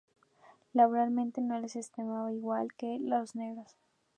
Laboralmente no se les estimaba igual que a los negros.